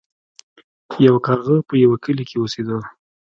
یو کارغه په یوه کلي کې اوسیده.